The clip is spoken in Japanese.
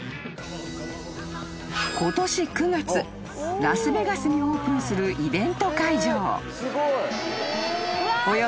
［今年９月ラスベガスにオープンするイベント会場］